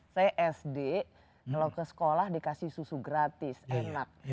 saya sd kalau ke sekolah dikasih susu gratis enak